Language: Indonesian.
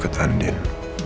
saya harus ikut andien